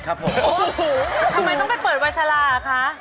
ทำไมต้องไปเปิดวาชะลาคะ